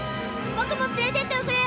僕も連れてっておくれよ！